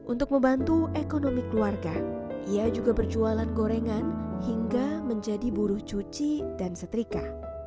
untuk membantu ekonomi keluarga ia juga berjualan gorengan hingga menjadi buruh cuci dan setrika